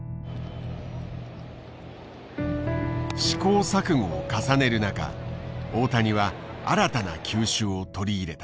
試行錯誤を重ねる中大谷は新たな球種を取り入れた。